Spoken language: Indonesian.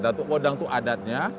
datuk wadang itu adatnya